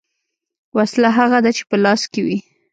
ـ وسله هغه ده چې په لاس کې وي .